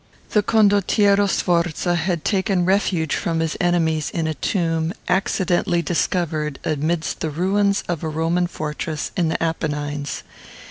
The Condottiero Sforza had taken refuge from his enemies in a tomb, accidentally discovered amidst the ruins of a Roman fortress in the Apennines.